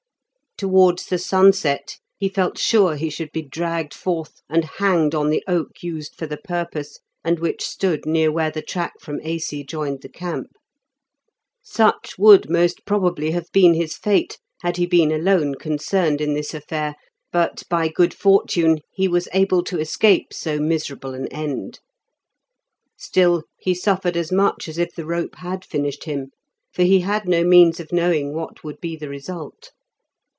Towards the sunset he felt sure he should be dragged forth and hanged on the oak used for the purpose, and which stood near where the track from Aisi joined the camp. Such would most probably have been his fate, had he been alone concerned in this affair, but by good fortune he was able to escape so miserable an end. Still, he suffered as much as if the rope had finished him, for he had no means of knowing what would be the result.